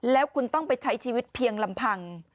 แล้วคุณต้องไปใช้ชีวิตเพียงลำพัง